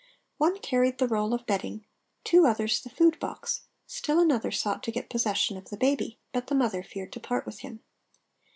One carried the roll of bedding—two others the food box, still another sought to get possession of the baby, but the mother feared to part with him.